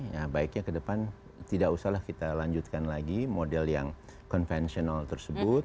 ya baiknya ke depan tidak usahlah kita lanjutkan lagi model yang konvensional tersebut